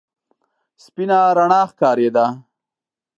سپينه رڼا ښکارېده.